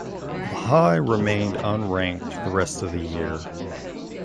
Lehigh remained unranked the rest of the year.